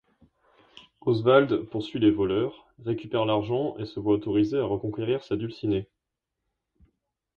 Oswald poursuit les voleurs, récupère l'argent et se voit autoriser à reconquérir sa dulcinée.